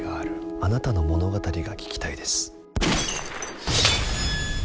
あなたの物語が聞きたいです。